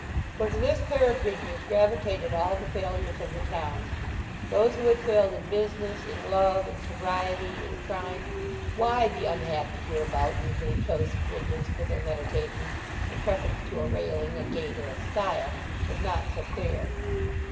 For to this pair of bridges gravitated all the failures of the town; those who had failed in business, in love, in sobriety, in crime. Why the unhappy hereabout usually chose the bridges for their meditations in preference to a railing, a gate, or a stile, was not so clear.